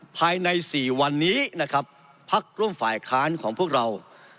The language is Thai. ภายใน๔วันนี้นะครับพักร่วมฝ่ายค้านของพวกเรา